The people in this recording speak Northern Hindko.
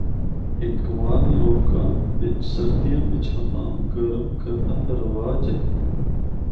ہندکوان لوگاں بچ سردیاں بچ حمام گرم کرنا دا رواج ہے۔